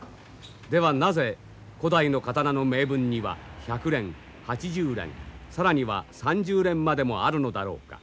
ではなぜ古代の刀の銘文には「百練」「八十練」更には「三十練」までもあるのだろうか。